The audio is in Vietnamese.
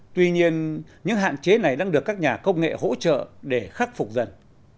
tuy nhiên những hạn chế này đang được các nhà công nghệ hỗ trợ để khắc phục dần